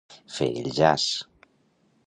Fer el jaç.